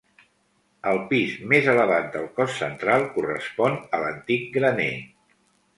El pis més elevat del cos central correspon a l'antic graner.